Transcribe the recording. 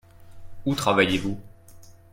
Où travaillez-vous ?